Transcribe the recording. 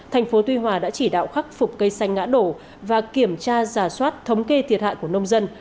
thành phố tuy hòa đã chỉ đạo khắc phục cây xanh ngã đổ và kiểm tra giả soát thống kê thiệt hại của nông dân